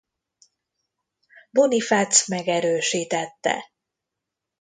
Bonifác megerősítette.